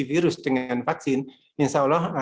berarti negara pemerintah